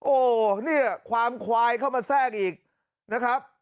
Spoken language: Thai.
โอ้โหเนี่ยความควายเข้ามาแทรกอีกนะครับ